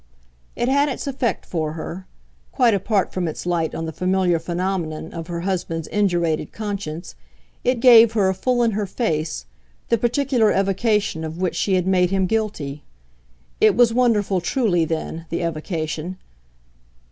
It had its effect for her: quite apart from its light on the familiar phenomenon of her husband's indurated conscience, it gave her, full in her face, the particular evocation of which she had made him guilty. It was wonderful truly, then, the evocation.